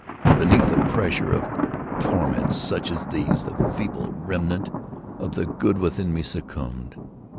_ Beneath the pressure of torments such as these, the feeble remnant of the good within me succumbed.